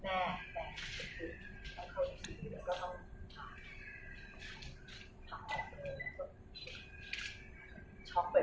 แล้วเขาอีกทีก็ต้องถามออกไปแล้วก็ช็อคไปเลย